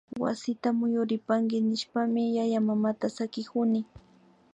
Wasita muyuripanki nishpami yayamamata sakikuni